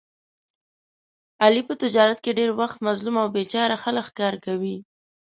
علي په تجارت کې ډېری وخت مظلوم او بې چاره خلک ښکار کوي.